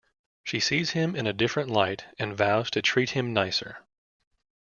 She sees him in a different light and vows to treat him nicer.